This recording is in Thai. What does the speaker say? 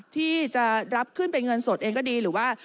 ที่จะรับขึ้นเป็นเงินสดเองก็ดีหรือว่า